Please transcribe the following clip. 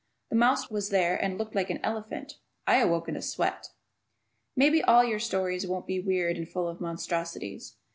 The mouse was there and looked like an elephant. I awoke in a sweat. Maybe all your stories won't be weird and full of monstrosities.